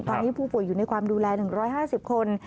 ตอนนี้ผู้ป่วยอยู่ในความดูแล๑๕๐คน